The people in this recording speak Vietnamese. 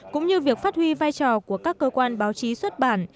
cũng như việc phát huy vai trò của các cơ quan báo chí xuất bản